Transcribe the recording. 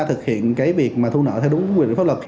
thực hiện việc thu nợ theo đúng quy định pháp luật